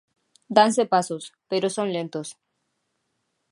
Danse pasos, pero son lentos.